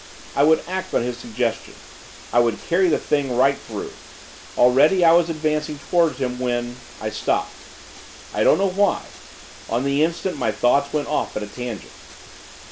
I would act on his suggestion, I would carry the thing right through. Already I was advancing towards him, when I stopped. I don't know why. On the instant, my thoughts went off at a tangent.